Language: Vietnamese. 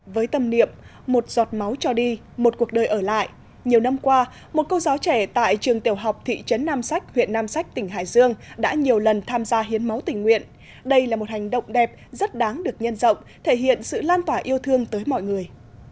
với tâm niệm một giọt máu cho đi một cuộc đời ở lại nhiều năm qua một cô giáo trẻ tại trường tiểu học thị trấn nam sách huyện nam sách tỉnh hải dương đã nhiều lần tham gia hiến máu tình nguyện đây là một hành động đẹp rất đáng được nhân rộng thể hiện sự lan tỏa yêu thương tới mọi người